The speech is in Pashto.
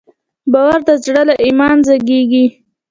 باور د زړه له ایمان زېږېږي.